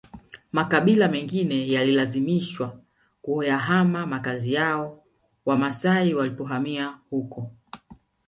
Makabila mengine yalilazimishwa kuyahama makazi yao Wamasai walipohamia huko